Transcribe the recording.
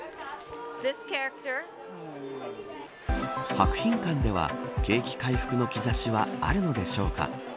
博品館では景気回復の兆しはあるのでしょうか。